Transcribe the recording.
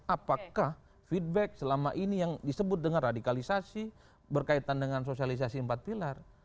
apakah feedback selama ini yang disebut dengan radikalisasi berkaitan dengan sosialisasi empat pilar